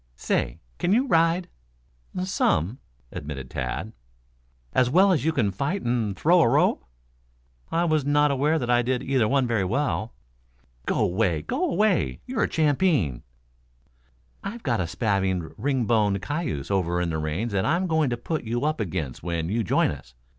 "Say, can you ride?" "Some," admitted Tad. "As well as you can fight and throw a rope?" "I was not aware that I did either one very well." "Go away! Go away! You're a champeen. I've got a spavined, ring boned cayuse over in the range that I'm going to put you up against when you join us.